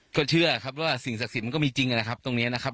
ก็เชื่อครับว่าสิ่งศักดิ์สิทธิ์มันก็มีจริงนะครับตรงนี้นะครับ